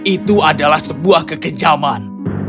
itu adalah sebuah kekejaman